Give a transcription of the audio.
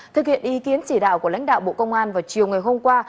thực hiện ý kiến chỉ đạo của lãnh đạo bộ công an vào chiều ngày hôm qua